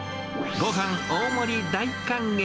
ごはん大盛り大歓迎。